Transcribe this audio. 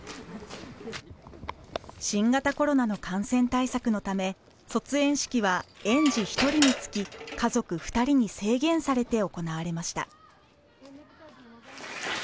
新型コロナの感染対策のため卒園式は園児１人につき家族２人に制限されて行われました。